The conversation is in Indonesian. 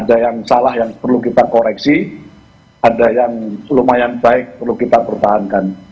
ada yang salah yang perlu kita koreksi ada yang lumayan baik perlu kita pertahankan